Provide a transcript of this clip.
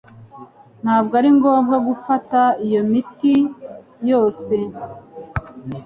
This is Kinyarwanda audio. Ntabwo ari ngombwa gufata iyo miti yose. (jgauthier)